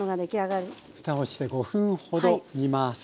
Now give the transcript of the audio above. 蓋をして５分ほど煮ます。